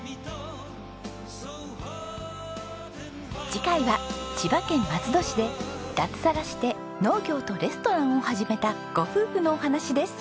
次回は千葉県松戸市で脱サラして農業とレストランを始めたご夫婦のお話です。